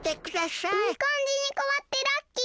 いいかんじにかわってラッキー！